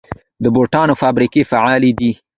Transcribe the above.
د بوټانو فابریکې فعالې دي؟